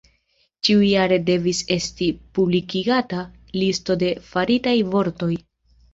Ĉiujare devis esti publikigata listo de faritaj vortoj.